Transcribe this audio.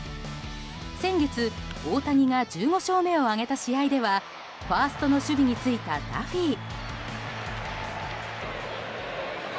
先月、大谷が１５勝目を挙げた試合ではファーストの守備に就いたダフィー。